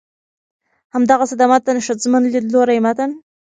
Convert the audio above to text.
همدغسې د متن ښځمن ليدلورى متن